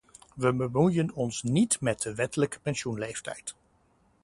Wij bemoeien ons niet met de wettelijke pensioenleeftijd.